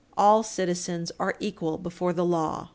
All citizens are equal before the law."